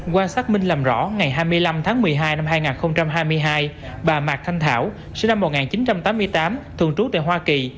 qua xác minh làm rõ ngày hai mươi năm tháng một mươi hai năm hai nghìn hai mươi hai bà mạc thanh thảo sinh năm một nghìn chín trăm tám mươi tám thường trú tại hoa kỳ